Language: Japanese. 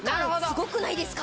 すごくないですか？